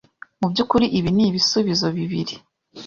Mu by’ukuri ibi ni ibisubizo bibiri